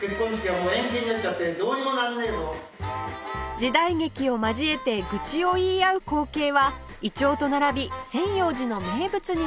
時代劇を交えて愚痴を言い合う光景はイチョウと並び千葉寺の名物になっています